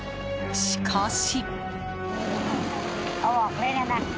しかし。